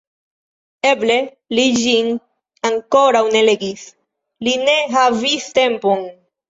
Eble li ĝin ankoraŭ ne legis, li ne havis tempon?